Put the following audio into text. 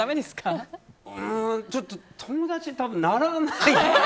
うーんちょっと友達に多分ならない。